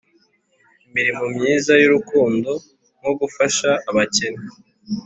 Imirimo myiza y’ urukundo nko gufasha abakene